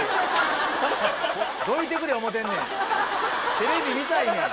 テレビ見たいねん